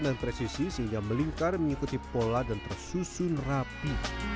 dan presisi sehingga melingkar mengikuti pola dan tersusun rapi